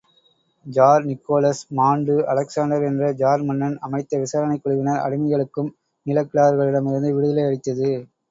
Jar Nicholas மாண்டு Alexander என்ற tsar மன்னன் அமைத்த விசாரணைக் குழுவினர் அடிமைகளுக்கும், நிலக்கிழார்களிடமிருந்து விடுதலை அளித்தது.